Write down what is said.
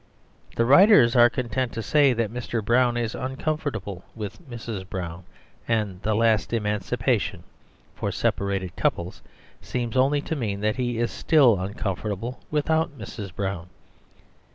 The writers are content to say that Mr. Brown is uncomfortable with Mrs. Brown, and the last emancipation, for separated couples, seems only to mean that he is still uncomfortable without Mrs. Brown.